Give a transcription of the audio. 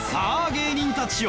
芸人たちよ